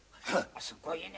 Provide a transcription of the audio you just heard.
すごいね。